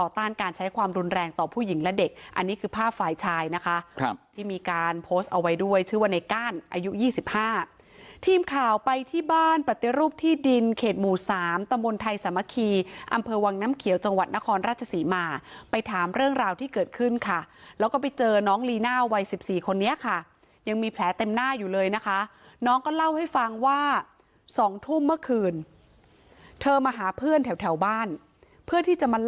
ที่มีการโพสต์เอาไว้ด้วยชื่อว่าในก้านอายุ๒๕ทีมข่าวไปที่บ้านปฏิรูปที่ดินเขตหมู่๓ตมไทยสมาคีอำเภอวังน้ำเขียวจังหวัดนครราชสีมาไปถามเรื่องราวที่เกิดขึ้นค่ะแล้วก็ไปเจอน้องลีน่าวัย๑๔คนนี้ค่ะยังมีแผลเต็มหน้าอยู่เลยนะคะน้องก็เล่าให้ฟังว่า๒ทุ่มเมื่อคืนเธอมาหาเพื่อนแถวบ้านเพื่